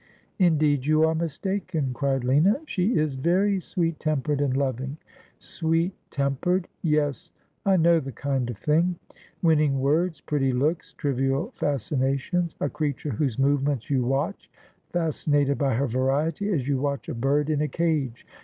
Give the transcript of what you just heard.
' Indeed you are mistaken,' cried Lina ;' she is very sweet tempered and loving.' ' Sweet tempered ! Yes ; I know the kind of thing. Win ning words, pretty looks, trivial fascinations ; a creature whose movements you watch — fascinated by her variety — as yoiT watch a bird in a cage.